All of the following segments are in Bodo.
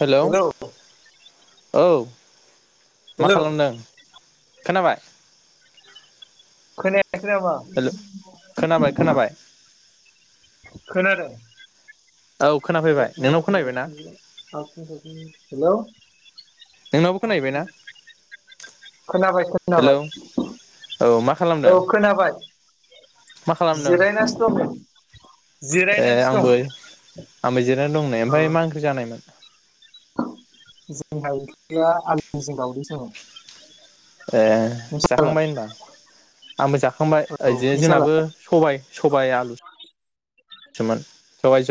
हेलौ हेलव औ मा खालामदों? खोनाबाय? खोनाया हेल' खोनाबाय खोनाबाय। खोनादों औ खोनाफैबाय नोंनाव खोनाहैबायना हेल' नोंनावबो खोनाहैबायना खोनाबाय हेलौ खोनाबाय औ मा औ खालामदों खोनाबाय मा खालामदों जिरायनानैसो दं जिरायनानैसो दं। बिदिनो दंनाय अ ओमफ्राय मा ओंख्रि जानायमोन [inaudible] जोंहा ओंख्रिया आलुजों दावदै सोमोन ए जाखांबाय होनबा आंबो जाखांबाय औ बिदिनो नोंसालाय जोंनाबो सबाय- सबाइ आलु सोमोन दहाय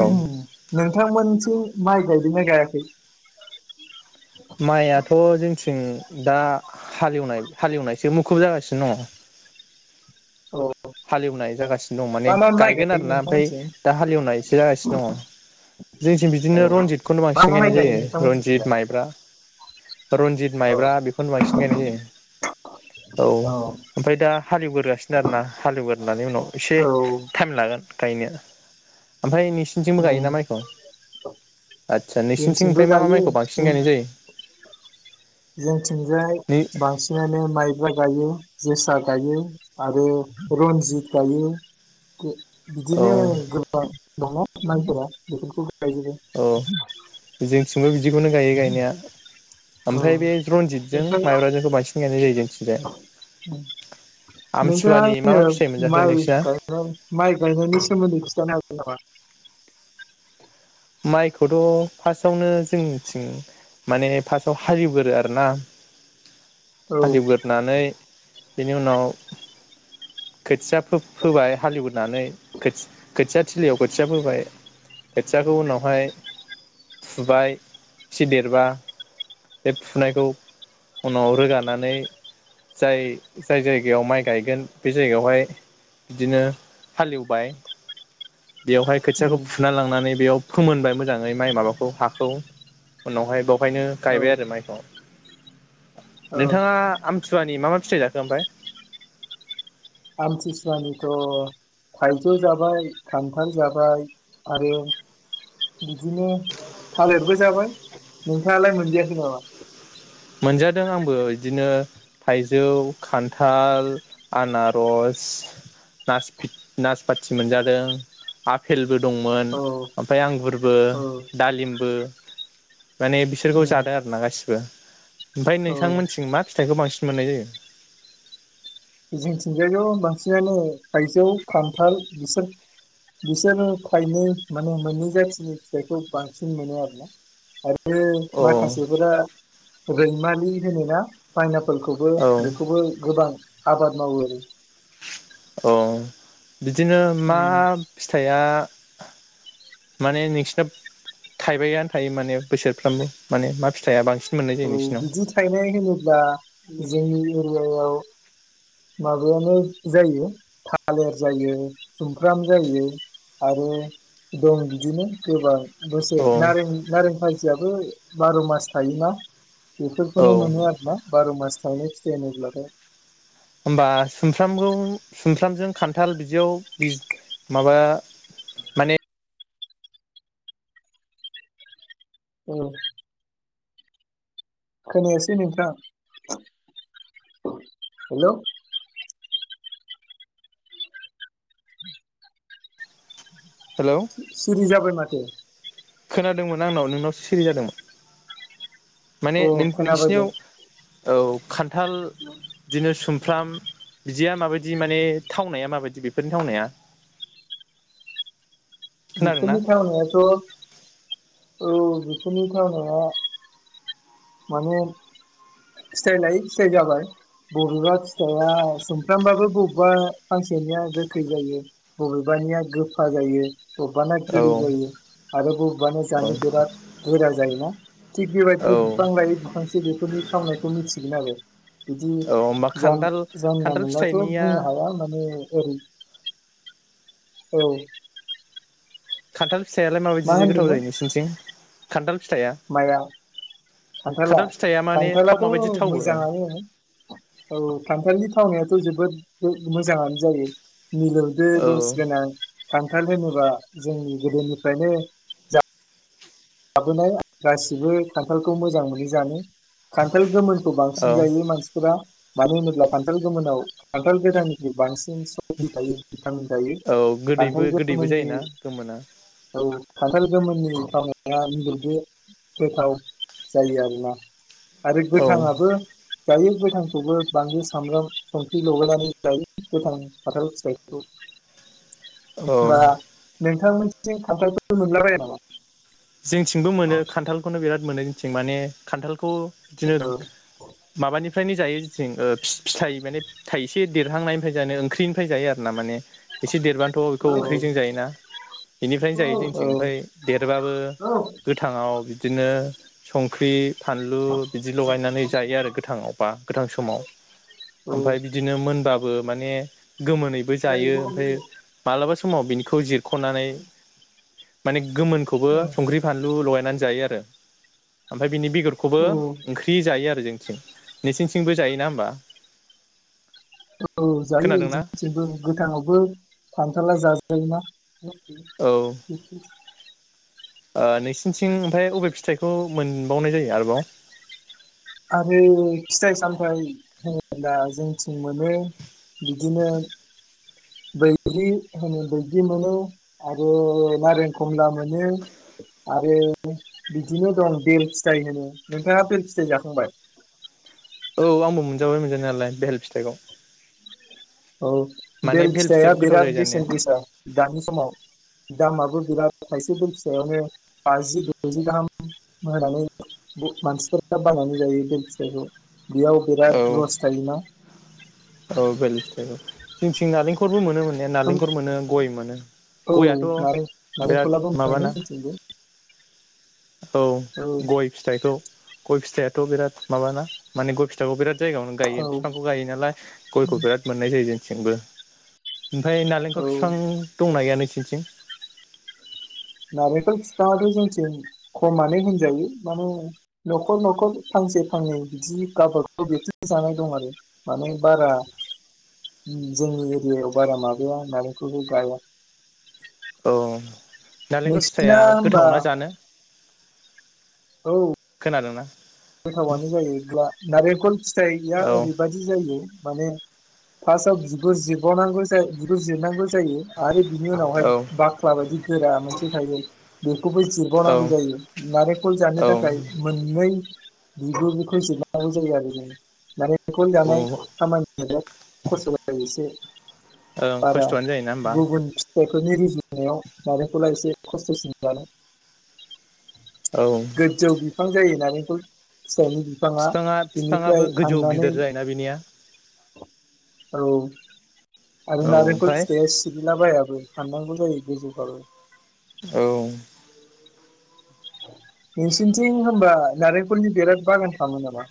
औ माइ गायदों ना गायाखै? माइयाथ' जोंथिं दा हालेवनाय हालेवनायसो मुखुब जागासिनो दङ औ हालेवनाय जागासिनो दं माने मा मा माइ गायगोन गायो आरोना ओमफ्राय नोंथांमोनथिं दा हालेवनाय एसे जागासिनो दङ जोंनिथि औ बिदिनो रनजितखौनो मा बांसिन मा माइ गायनाय गायो जायो रनजित नोंथांमोनथिंलाय माइब्रा रनजित, औ माइब्रा बेखौनो बांसिन गायनाय जायो औ ओमफ्राय दा हालेवग्रोगासिनो आरो ना हालेवगारनायनि उनाव एसे औ टाइम लागोन गायनो ओमफ्राय नोंसिनिथिंबो उम गायोना माइखौ आदसा नोंसिनिथिं जोंथिंबो ओमफ्राय मा मा गायो माइखौ बांसिन जों गायनाय जायो जोंथिंजाय नै बांसिनानो माइब्रा गायो जोसा गायो आरो रन्जित गायो औ बिदिनो गोबां दङ ना मायफोरा बेफोरखौ गायजोबो औ जोंथिंबो बिदिखौनो गायो गायनाया औ ओमफ्राय बे रनजितजों नोंथांनाव माइब्राजोंखौ बांसिन गायनाय जायो जोंथिंजाय नोंथाङा आमथिसुवानि मा आङो फिथाइ मोनजाखो माइ नोंसिना गाय माइ गायनायनि सोमोन्दै खिथानो हागोन [unintelligible] माइखौथ' फार्स्टआवनो जोंथिं माने फार्स्टआव हालेवगोरो आरोना औ हालेवगोरनानै बेनि उनाव खोथिया फोबाय हालेवानै खोथिया थिलियाव खोथिया फोबाय खोथियाखौ उनावहाय फुबाय इसे देरबा बे फुनायखौ उनाव रोगानानै जाय जाय जायगायाव माइ गायगोन बे जायगायावहाय बिदिनो हालेवबाय बेवहाय खोथियाखौ उम फुना लांनानै बेयाव फोमोनबाय मोजाङै माइ माबाखौ हाखौ उनावहाय बाव खायनो औ गायबाय आरो माइखौ औ नोंथाङा आम आमथि सुवानि मा मा फिथाइ जाखो ओमफ्राय? आमथिसुवानिथ' थाइजौ जाबाय खान्थाल जाबाय आरो बिदिनो थालिरबो जाबाय नोंथाङालाय मोनजायाखै नामा? मोनजादों आंबो बिदिनो थाइजौ खान्थाल आनारस नास नासपथि मोनजादों आफपेलबो दंमोन औ ओमफ्राय आंगुरबो औ दालिमबो माने बिसोरखौ उम जादों आरोना गासिखौबो। ओमफाय औ नोंथां मोनिथिं माथाय फिथाइखौ बांसिन मोननाय जायो। जोंथिंजायथ बांसिनानो थाइजौ खान्थाल बिसोर बिसोरो थायनै माने मोननै जाथिनि फिथाइखौ बांसिन मोनो आरो ना आरो बे औ माखासेफोरा रैमालि होनो ना पाइनाप फोरखौबो औ बेखौबो गोबां आबाद मावो आरो औ। बिदिनो मा उम फिथाइया माने नोंसिना थाइबायानो थायो माने बोसोरफ्रामबो माने मा फिथाइया बांसिन मोननाय जायो औ नोंसिनाव बिदि थायनाय होनोब्ला जोंनि एरियायाव माबायानो जायो थालिर जायो सुमफ्राम जायो आरो दं बिदिनो गोबां। गुसेर नारें नारें खुसेराबो बार' मास थायोना। औ बेसोरखौ मोनो आरो ना। बार' मास थाइनाय होनोब्लाथाय। होमबा सुमफ्रामखौ सुमफ्रामजों खान्थाल बिदियाव माबा माने औ। खोनायासै नोंथां हेल' हेल' सिरि जाबाय माथो। खोनादोंमोन आंनाव नोंनावसो सिरि जादोंमोन। माने अ खोनाबाय दे नों-नोंसिनियाव औ खान्थाल बिदिनो सुमफ्राम बिदिया माबायदि माने थावनाया माबायदि बेफोरनि थावनाया। खोनादोंना बिफोरनि थवनायाथ' औ बेफोरनि थवनाया माने फिथाइ लायै फिथाइ जाबाय बबेबा फिथाइया सुमफ्रामबाबो बबेबा फांसेनिया गोखै जायो बबेबानिया गोफा जायो। बबेबाना औ गोदै जायो आरो बबेबानो औ जानो बिराद गोरा जायोना। थिग औ बेबायदिनो बिफां लायै बिफांसो बेफोरनि थावनायखौ मिथिगोन आरो। होमबा बिदि जान खान्थाल खान्थाल जानलाथ' फिथाइनिया बुंनो हाया माने ओरै औ। खान्थाल फिथाइलाय माबायदि गोथाव जायो नोंसोरनिथिं? खान्थाल फिथाइया माइआ खान्थाला खान्थाल फिथाइया माने थाव खान्थालाथ' माबायदि थावो औ मोजाङानो औ खान्थालनि थावनायाथ' जोबोद मोजाङानो जायो। मिलौदो जस गोनां खान्थाल होनोबा जोंनि गोदोनिफ्रायनो जा लाबोनाय गासिबो खान्थालखौ मोजां मोनो जानो खान्थाल गोमोन खौ बांसिन औ जायो मानसिफोरा मानो होनोब्ला खान्थाल गोमोनाव खान्थाल गोथांनिख्रुइ बांसिन थायो औ गोदैबो खान्थाल गोदैबो गोमोननि जायोना गोमोना औ। खान्थाल गोमोननि [unintelligible] गोथाव जायो आरोना आरो औ गोथाङाबो जायो गो आंखौबो बांनलु सामब्राम संख्रि लगायनानै जायो गोथां खान्थाल फिथाइयखौ औ [unintelligible] नोंथा मोननिथिं खान्थालफोरखौ मोनलाबायो नामा? जोंथिंबो मोनो खान्थालखौनो बिराद मोनो जोंनिथिं माने खान्थालखौ बिदिनो माबानि फ्रायनो जायो जों फिथाइ माने फिथाइ थाइसे देरहांनायनिफ्राय जानो ओंख्रिनिफ्राय जायो आरो ना माने एसे देरबानोथ' औ बेखौ ओंख्रिजों जायोना बेनिफ्रायनो जायो जोंथिं ओमफ्राय औ देरबाबो औ गोथाङाव बि बिदिनो संख्रि फानलु बिदि लगायनानै जायो आरो गोथांआव बा गोथां समाव ओमफ्राय बिदिनो मोनबा माने गोमोनैबो जायो ओमफ्राय मालाबा समाव बिनिखौ जिर खनानै माने गोमोनखौबो बानलु लगायनानै जायो आरो ओफ्राय बिनि बेगरखौबो औ ओंख्रि जायो आरो जोंनिथिं नोंसिनिथिंबो जायोना होमबा औ जायो खोनादोंना जोथिंबो गोथाङावबो फांथारला [unintelligible] जाज जायोना औ [unintelligible] [unintelligible] ओ नोंसिनिथिं ओमफ्राय अबे फिथाइखौ मोनबावनाय जायो आरोबाव आरो फिथाइ सामथायाइ होनोब्ला जोंथिं मोनो बिदिनो बैग्रि होनो बैग्रि मोनो आरो नारें खमला मोनो आरो बिदिनो दं बेल फिथाइ होनो नोंथाङा बेल फिथाइ जाखांबाय औ आंबो मोनजाबाय मोनजानाय नालाय बेहेल फिथाइखौ औ माने बेल बेहेल फिथाइया फिथाइयाबो गोथाव बिराद जायो जानाया बेसेन दैसा दानि समाव दामाबो बिराद खायसे बेल फिसायावनो बाजि द'जि गाहाम होनानै मानसिफोरा बानायनानै जायो बेल फिसाइखौ बेयाव बिराद रस थायोना औ बेल फिथाय औ जोंनिथिं नारलेंखरबो मोनो मोननाय नालेंखर मोनो गय मोनो औ गयाथ' नारें बिराद नारेंखलाबो मोनो माबाना जोंथिंबो औ औ गय फिथाइखौ गय फिथाइयाथ' बिराद माबाना माने गय फिथाइखौ बिराद जायगायावनो गायो औ फिफांखौ गायो नालाय गयखौ बिराद मोननाय जायो जोंथिंबो। ओमफ्राय नालेंखर औ फिफां दंना गैया नोंसि थिं नारेंखल फिफाङाथ जोंथिं खमानो होनजायो माने न'खर न'खर फांसे फांनै बिदि गावबा गाव बिदि जानाय दं आरो माने बारा जोंनि एरियायाव बारा माबाया नारेंखलखौ गाया। औ नालेंखर नोंसिना फिथाइया होमबा गोथावना जानो? औ खोनादोंना? गोथावानो जायोब्ला नारेंखल फिथाइया औ ओरैबादि जायो माने फास्टआव बिगुर जिरबाव नांगौ जाय बिगुर जिरनांगौ जायो आरो बिनि औ उनावहाय बाख्ला बायदि गोरा मोनसे थायो ना बे खौबो औ जिरबावनांगौ जायो नारेंखल जानो थाखाय मोननै बिगुरखौ जिरनांगौ जायो आरो माने बेखनो जानाय औ खामानिया खस्थ' जायो एसे [unintelligible] ओं बारा खस्थ'आनो जायोना होमबा गुबुन फिथाइफोरनि रुजुनायाव नारेंखला एसे खस्थसिनानो। औ गोजौ [unintelligible] जायो नारेंखल फि फिथाइनि बिफाङा बिफाङाबो बिनिफ्राय गोजौ हाननानै गिदिर जायोना बेनिया औ आरो औ नारेंखल ओमफ्राय फिथाइया सिरिलाबायाबो। हाननांगौ जायो गोजौबाबो। औ नोंसनिथिं होनबा नारेंखलनि बिराद बागान खालामो नामा?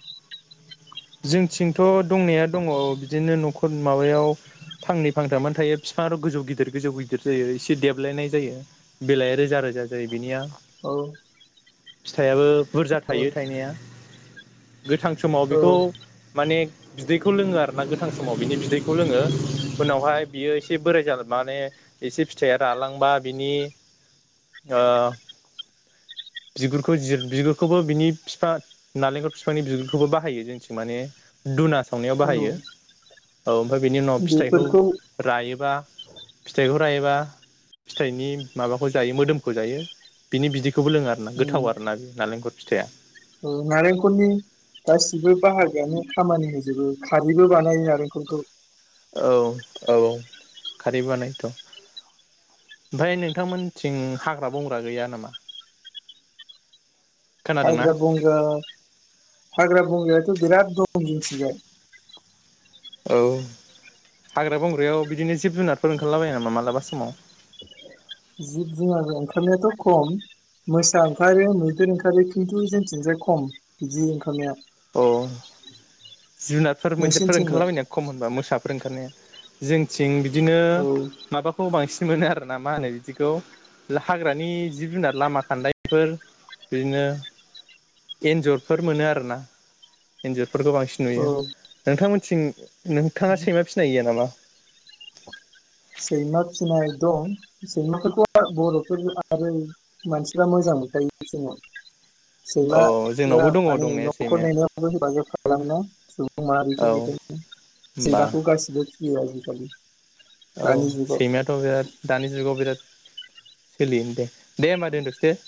जोंथिंथ' दंनाया दङ बिदिनो न'खर माबायाव फांनै फांथामानो थायो फिफाङाथ' गोजौ गिदिर गोजौ गिदिर जायो एसे देबलायनाय जायो बेलाया रोजा रोजा जायो बिनिया। औ फिथाइयाबो बुरजा औ थायो थायनाया। गोथां समाव औ बेखौ माने बिदैखौ लोङो आरोना गोथां समाव बिनि बिदैखौ लोङो उनावहाय बियो एसे बोराय जालांबा माने एसे फिथाइया रालांबा बिनि ओ बिगुरखौ जिर बिगुरखौबो बिनि फिफा नालेंखर फिफांनि बिगुरखौबो बाहायो जोंनिथिं। माने दुना संनायाव औ बाहायो औ ओमफ्राय बेनि उनाव फिथाइखौ बेफोरखौ रायोबा फिथाइखौ ओमफ्राय एबा फिथाइनि माबाखौ जायो मोदोमखौ जायो बिनि बिदै खौबो लोङो आरो ना उम गोथाव आरो ना नालेंखर फिथाइआ नारेंखलनि गासिबो बाहागोआनो खामानि होजोबो खारैबो बानायो नारेंखलखौ औ औ खारै बानायोथ' ओमफ्राय नोंथांमोनथिं हाग्रा बंग्रा गैया नामा खोनादोंना? हाग्रा बंग्रा हाग्रा बंग्राया बिराद दं जोंनिथिंजाय औ हाग्रा बंग्रायाव बिदिनो जिब जुनारफोर ओंखारलाबाया नामा मालाबा समाव? जिब जुनार ओंखारनायाथ' खम मोसा ओंखारो मैदेर ओंखारो खिन्थु जोंथिंजाय खम बेदि ओंखारनाया। अ जुनारफोर मैदेरफोर नोंसिनिथिंलाय ओंखारलाबायनाया खम होनबा मोसाफोर ओंखारनाया जोंनिथिं बिदिनो औ माबाखौ बांसिन मोनो आरो ना मा होनो बिदिखौ हाग्रानि जिब जुनार लामा खान्दायफोर बिदिनो एन्जरफोर मोनो आरोना एनजर फोरखौ बांसिन नुयो नोंथांमोन थिं औ नोंथाङा सैमा फिसिनाय गैया नामा? सैमा फिनाय दं सैमाफोरखौ बर'फोर आरो मानसिफ्रा मोजां मोनखायो जोङो औ सैमाया जोंनावबो दङ माने दंनाया न'खर सैमाया नेनायावबो हेफाजाब खालामा सुबुं माहारिखौ औ बेखायनो होमबा सैमाखौ गासिबो [unintelligible] औ दानि जुगाव सैमायाथ' बिराद दानि जुगाव बिराद सोलियो दे दे होमबा दोनथ'सै दे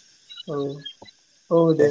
[inaudible] औ औ दे